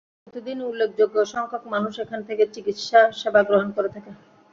প্রতিদিন উল্লেখযোগ্য সংখ্যক মানুষ এখান থেকে চিকিৎসা সেবা গ্রহণ করে থাকে।